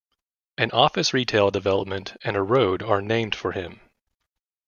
An office retail development and a road are named for him.